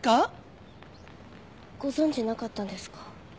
ご存じなかったんですか？